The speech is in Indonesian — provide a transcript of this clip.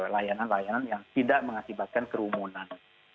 layanan layanan yang tidak mengakibatkan kerumunan